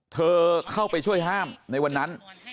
เธอเข้าไปช่วยห้ามในวันนั้น